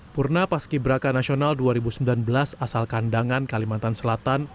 purna paski braka nasional dua ribu sembilan belas asal kandangan kalimantan selatan